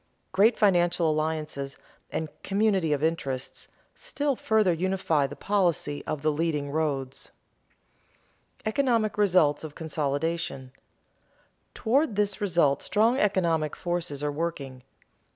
Great financial alliances and "community of interests" still further unify the policy of the leading roads. [Sidenote: Economic results of consolidation] Toward this result strong economic forces are working.